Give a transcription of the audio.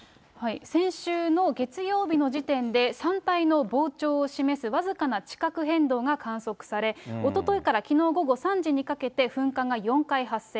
先週の月曜日の時点で、山体の膨張を示す僅かな地殻変動が観測され、おとといからきのう午後３時にかけて、噴火が４回発生。